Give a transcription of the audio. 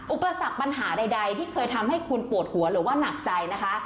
อุปสรรคปัญหาใดที่เคยทำให้คุณปวดหัวหรือว่าหนักใจนะคะ